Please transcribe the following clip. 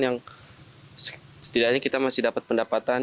yang setidaknya kita masih dapat pendapatan